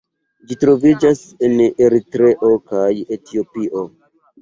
Ĝi troviĝas en Eritreo kaj Etiopio.